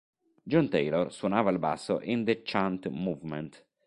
John Taylor suonava il basso in "The Chant Movement".